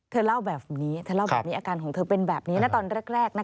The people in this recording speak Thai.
เธอเล่าแบบนี้อาการของเธอเป็นแบบนี้นะตอนแรก